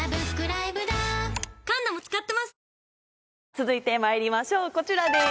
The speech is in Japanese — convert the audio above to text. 続いてまいりましょうこちらです。